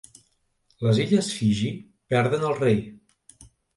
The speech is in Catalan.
Les Illes Fiji perden el rei.